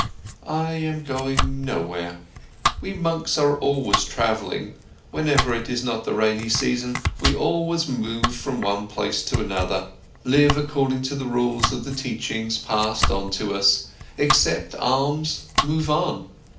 "I'm going nowhere. We monks are always travelling, whenever it is not the rainy season, we always move from one place to another, live according to the rules of the teachings passed on to us, accept alms, move on.